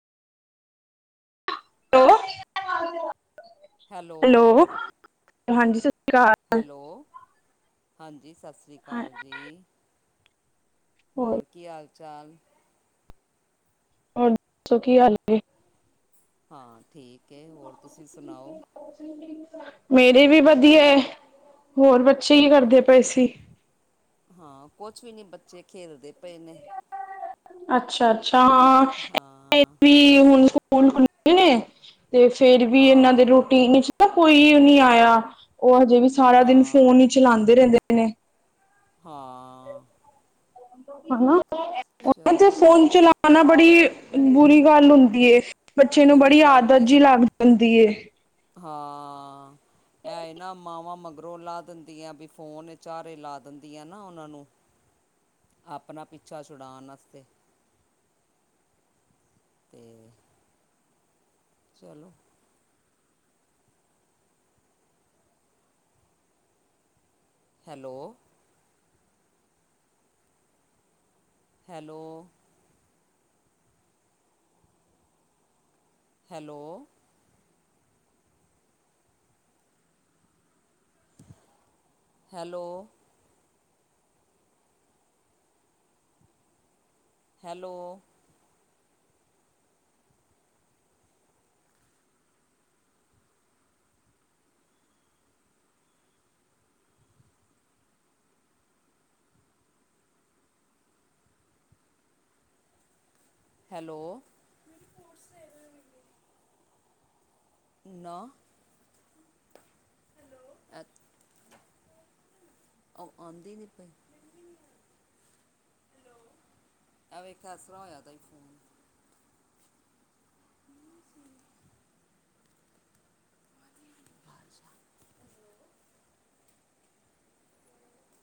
Hello hello ਹਾਂਜੀ, ਸ਼੍ਰੀ ਅਕਾਲ ਹੈਲੋ, ਹਾਂਜੀ ਸਤਿ ਸ਼੍ਰੀ ਹਾਂ ਅਕਾਲ ਜੀ। ਹੋਰ ਕੀ ਹਾਲ ਚਾਲ? ਹੋਰ ਦੱਸੋ ਕੀ ਹਾਲ ਨੇ? ਹਾਂ, ਠੀਕ ਐ ਹੋਰ ਤੁਸੀਂ ਸੁਣਾਓ? ਮੇਰੀ ਵੀ ਵਧੀਆ। ਹੋਰ ਬੱਚੇ ਕੀ ਕਰਦੇ ਪਏ ਅੱਛਾ ਸੀ ਹਾਂ, ਕੁਛ ਵੀ ਨੀ ਬੱਚੇ ਖੇਲਦੇ ਪਏ ਨੇ। ਅੱਛਾ ਅੱਛਾ, ਹਾਂ ਹਾਂ ਵੀ ਹੁਣ ਸਕੂਲ ਖੁੱਲੇ ਨੇ। ਤੇ ਫੇਰ ਵੀ ਇਹਨਾਂ ਦੇ ਹਾਂ ਰੋਟੀਨ ਵਿੱਚ ਨਾ ਕੋਈ ਨੀ ਆਇਆ ਉਹ ਹਜੇ ਵੀ ਸਾਰਾ ਦਿਨ ਫੋਨ ਹਾਂ ਹੀ ਚਲਾਂਦੇ ਰਹਿੰਦੇ ਨੇ। ਹਾਂ, ਹਨਾ ਤੇ ਚਲੋ ਫੋਨ ਚਲਾਣਾ ਬੜੀ ਬੁਰੀ ਗੱਲ ਹੁੰਦੀ ਐ। ਬੱਚੇ ਨੂੰ ਬੁਰੀ ਬੜੀ ਗੱਲ ਆਦਤ ਏ ਜੀ ਲੱਗ ਜਾਂਦੀ ਐ। ਹਾਂ ਐ ਆ ਨਾ ਮਾਵਾਂ ਮਗਰੋ ਲਾ ਦਿੰਦੀਆਂ ਵੀ ਫੋਨ ਚਾਰੇ ਲਾ ਦਿੰਦੀਆਂ ਨਾ ਉਹਨਾਂ ਨੂੰ। ਆਪਣਾ ਪਿੱਛਾ ਛੁਡਾਉਣ ਵਾਸਤੇ। ਤੇ ਚਲੋ hello, hello, hello, hello, hello, hello, ਨਾ ਹੈਲੋ ਉਹ ਆਂਦੀ ਨਹੀਂ ਪਈ ਹੈਲੋ ਐ ਵੇਖ ਇਸ ਤਰ੍ਹਾਂ ਦਾ ਹੋਇਆ ਫੋਨ [unintelligible]